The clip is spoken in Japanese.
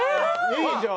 いいじゃん。